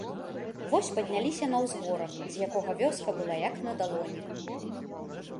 Вось падняліся на ўзгорак, з якога вёска была як на далоні.